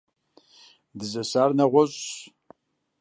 Дызэсар нэгъуэщӀщ.